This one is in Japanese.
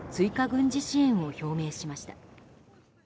軍事支援を表明しました。